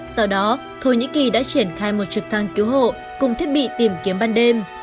sau đó thổ nhĩ kỳ đã triển khai một trực thăng cứu hộ cùng thiết bị tìm kiếm ban đêm